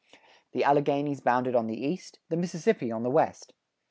The Alleghanies bound it on the east, the Mississippi on the west.